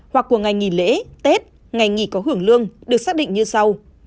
hoặc của ngày nghỉ lễ tết ngày nghỉ có hưởng lương được xác định như sau